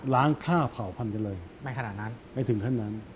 ล้างค่าเผ่าพรรภัณฑ์กันเลยไม่ถึงขนาดนั้น